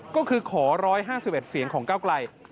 ก็คือขอร้อยภาษีสินเสียงของก้าวไกร